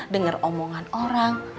dengar omongan orang